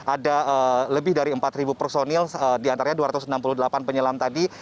ada lebih dari empat personil diantaranya dua ratus enam puluh delapan penyelam tadi